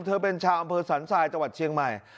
เธอเป็นชาวอำเภอสันทรายจังหวัดเชียงใหม่